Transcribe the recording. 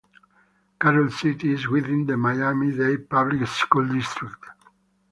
Carol City is within the Miami-Dade Public Schools district.